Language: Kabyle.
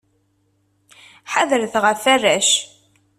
Ḥadret ɣef warrac.